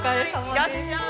いらっしゃい。